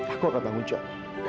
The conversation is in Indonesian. aku akan tanggung jawab